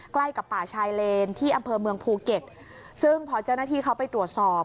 ใกล้กับป่าชายเลนที่อำเภอเมืองภูเก็ตซึ่งพอเจ้าหน้าที่เขาไปตรวจสอบ